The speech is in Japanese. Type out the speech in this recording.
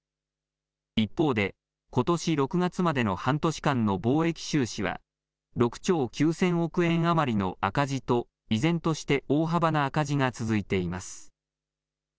一方でことし６月までの半年間の貿易収支は６兆９０００億円余りの赤字と依然として大幅な赤字が続いています。